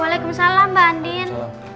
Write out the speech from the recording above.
waalaikumsalam mbak andin